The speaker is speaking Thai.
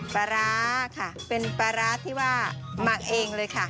ปลาร้าค่ะเป็นปลาร้าที่ว่าหมักเองเลยค่ะ